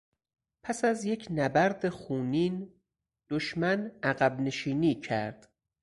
پس از یک نبرد خونین دشمن عقب نشینی کرد.